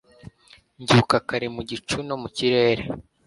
Mbyuka kare mu gicu no mu kirere